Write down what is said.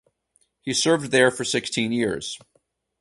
He served there for sixteen years.